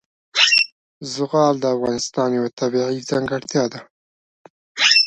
زغال د افغانستان یوه طبیعي ځانګړتیا ده.